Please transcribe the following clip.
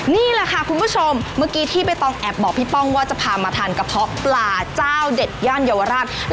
นี่แหละค่ะคุณผู้ชมเมื่อกี้ที่ใบตองแอบบอกพี่ป้องว่าจะพามาทานกระเพาะปลาเจ้าเด็ดย่านเยาวราช